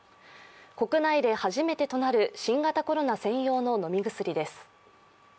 国内で初めてとなる新型コロナ専用の飲み薬です。